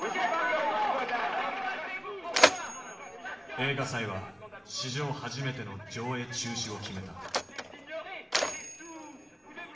映画祭は史上初めての上映中止を決めた。